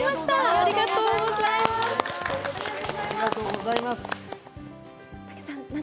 ありがとうございます。